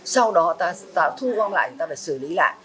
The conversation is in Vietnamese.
sau đó ta thu gom lại người ta phải xử lý lại